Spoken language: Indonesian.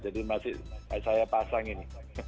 jadi masih saya pasang ini